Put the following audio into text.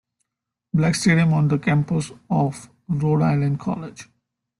Black Stadium on the campus of Rhode Island College.